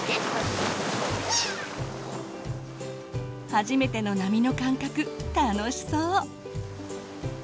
初めての波の感覚楽しそう。